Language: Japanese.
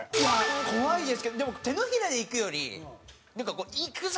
怖いですけどでも手のひらでいくよりいくぞ！